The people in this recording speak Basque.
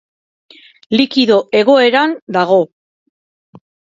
Likido-egoeran dago.